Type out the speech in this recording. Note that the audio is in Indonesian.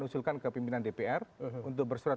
usulkan ke pimpinan dpr untuk bersurat